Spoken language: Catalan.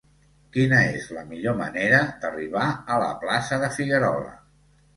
Quina és la millor manera d'arribar a la plaça de Figuerola?